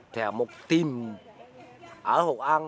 thì một team ở hội an